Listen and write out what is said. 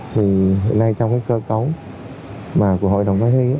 thì hiện nay trong cái cơ cấu của hội đồng tới thi